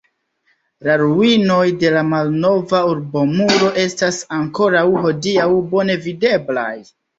La ruinoj de la malnova urbomuro estas ankoraŭ hodiaŭ bone videblaj.